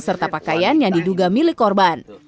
serta pakaian yang diduga milik korban